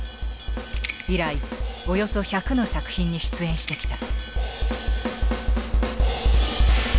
以来およそ１００の作品に出演してきた。